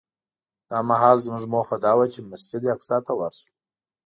دا مهال زموږ موخه دا وه چې مسجد اقصی ته ورشو.